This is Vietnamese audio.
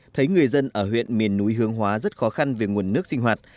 thấy người dân ở huyện miền núi hướng hóa rất khó khăn về nguồn nước sinh hoạt